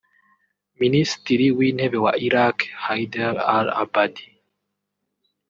Minisitiri w’Intebe wa Iraq Haider al-Abadi